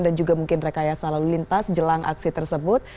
dan juga mungkin rekayasa lalu lintas jelang aksi tersebut